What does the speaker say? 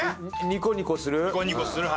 ニコニコする。